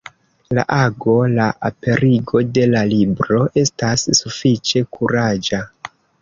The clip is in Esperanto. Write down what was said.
La ago, la aperigo de la libro, estas sufiĉe kuraĝa.